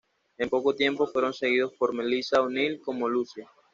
En poco tiempo fueron seguidos por Melissa O'Neil como Lucy.